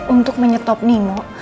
untuk menyetop nino